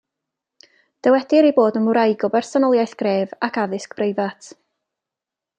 Dywedir ei bod yn wraig o bersonoliaeth gref ac addysg breifat.